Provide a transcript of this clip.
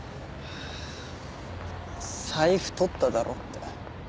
財布取っただろって。